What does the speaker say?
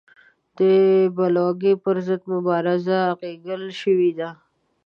د بلواکۍ پر ضد مبارزه اغږل شوې ده.